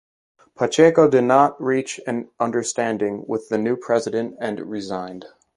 Pacheco did not reach an understanding with the new president and resigned.